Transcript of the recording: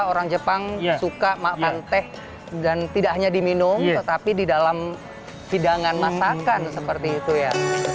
orang jepang suka makan teh dan tidak hanya diminum tetapi di dalam hidangan masakan seperti itu ya